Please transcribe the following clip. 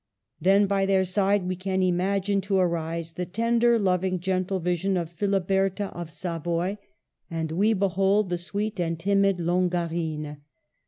Then by their side we can imagine to arise the tender, loving, gentle vision of Philiberta of Savoy, and 15 226 MARGARET OF ANGOUL^ME. we behold the sweet and timid Longarine.